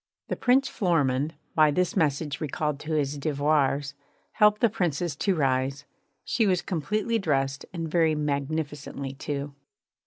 The Prince Florimond, by this message recalled to his devoirs, helped the Princess to rise. She was completely dressed, and very magnificently too.